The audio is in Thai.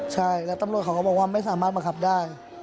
ใช่แล้วตำรวจเขาก็บอกว่าไม่สามารถบังคับได้